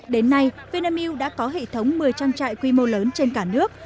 đến nay vinamilk đã có hệ thống một mươi trang trại quy mô lớn trên cả nước